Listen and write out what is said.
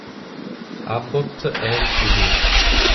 Abbott Ltd.